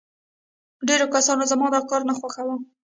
ډېرو کسانو زما دا کار نه خوښاوه